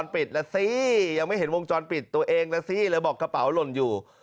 ไปบอกที่กระเป๋าหร่ญอยู่